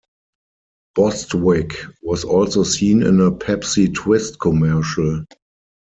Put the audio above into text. Bostwick was also seen in a Pepsi Twist commercial.